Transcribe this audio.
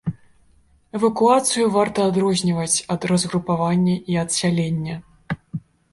Эвакуацыю варта адрозніваць ад разгрупавання і адсялення.